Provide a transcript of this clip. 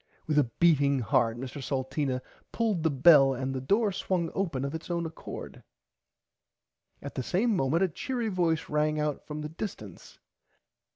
With a beating heart Mr Salteena pulled the bell and the door swung open of its own accord. At the same moment a cheery voice rang out from the distance.